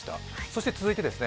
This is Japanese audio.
そして続いて。